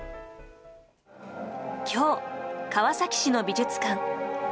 今日、川崎市の美術館。